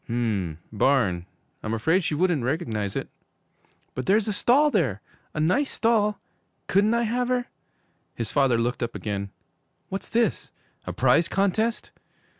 'M m, barn? I'm afraid she wouldn't recognize it.' 'But there's a stall there! A nice stall! Couldn't I have her?' His father looked up again. 'What's this? A prize contest?